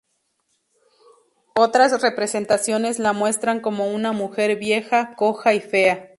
Otras representaciones la muestran como una mujer vieja, coja y fea.